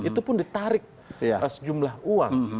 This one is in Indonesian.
itu pun ditarik sejumlah uang